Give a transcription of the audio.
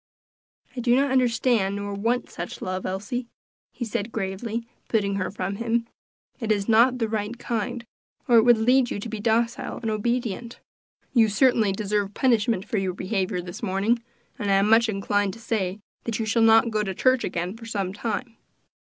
"I do not understand, nor want such love, Elsie," he said gravely, putting her from him; "it is not the right kind, or it would lead you to be docile and obedient. You certainly deserve punishment for your behavior this morning, and I am much inclined to say that you shall not go to church again for some time."